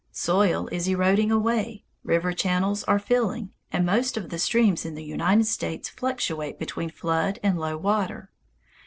Soil is eroding away, river channels are filling, and most of the streams in the United States fluctuate between flood and low water.